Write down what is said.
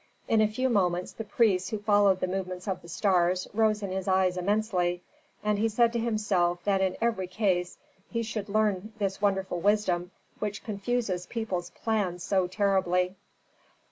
In a few moments the priests who followed the movements of stars rose in his eyes immensely, and he said to himself that in every case he should learn this wonderful wisdom which confuses people's plans so terribly.